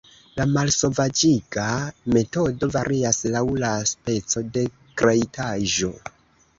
La malsovaĝiga metodo varias laŭ la speco de kreitaĵo.